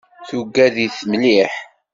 Tugad-it mliḥ.